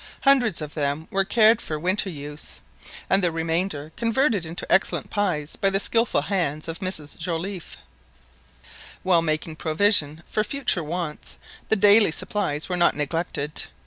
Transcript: Hundreds of them were cared for winter use, and the remainder converted into excellent pies by the skilful hands of Mrs Joliffe. While making provision for future wants, the daily supplies were not neglected.